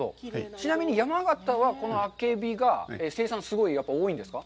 ちなみに山形はこのあけびが生産すごい多いんですか。